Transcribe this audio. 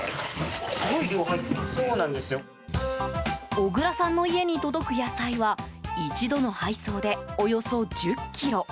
小倉さんの家に届く野菜は一度の配送でおよそ１０ｋｇ。